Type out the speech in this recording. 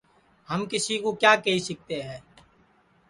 ہم کسی کُو کیا کیہی سِکتے ہے